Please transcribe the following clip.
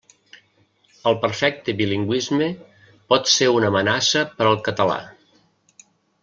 El perfecte bilingüisme pot ser una amenaça per al català.